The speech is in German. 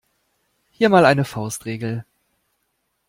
Hier mal eine Faustregel.